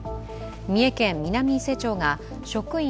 三重県南伊勢町が職員